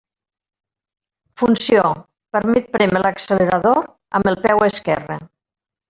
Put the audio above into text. Funció: permet prémer l'accelerador amb el peu esquerre.